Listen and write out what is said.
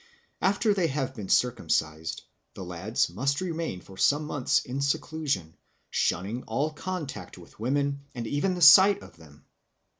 After they have been circumcised the lads must remain for some months in seclusion, shunning all contact with women and even the sight of them.